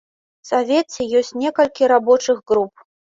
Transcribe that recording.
Савеце ёсць некалькі рабочых груп.